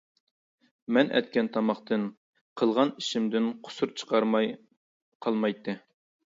مەن ئەتكەن تاماقتىن، قىلغان ئىشىمدىن قۇسۇر چىقارماي قالمايتتى.